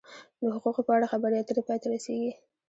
د حقوقو په اړه خبرې اترې پای ته رسیږي.